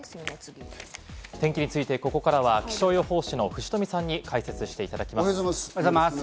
天気についてここからは気象予報士の藤富さんに解説していただきます。